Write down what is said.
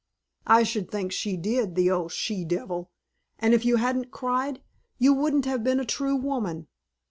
"I should think she did, the old she devil, and if you hadn't cried you wouldn't have been a true woman!